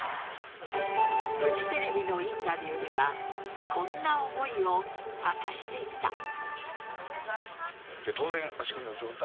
フジテレビのインタビューではこんな思いを明かしていた。